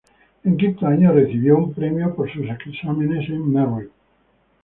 En quinto año recibió un premio por sus exámenes en Merritt.